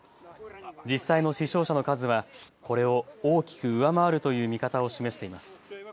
実際の死傷者の数はこれを大きく上回るという見方を示しています。